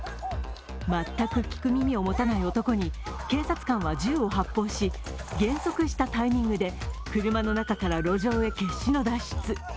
全く聞く耳を持たない男に警察官は銃を発砲し減速したタイミングで車の中から路上へ決死の脱出。